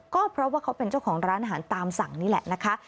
ก็เพราะว่าเขาเป็นเจ้าของร้านอาหารตามสั่งนี่แหละนะคะ